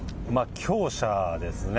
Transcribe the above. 強者ですね。